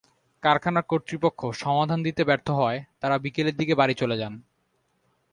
কারখানা কর্তৃপক্ষ সমাধান দিতে ব্যর্থ হওয়ায় তাঁরা বিকেলের দিকে বাড়ি চলে যান।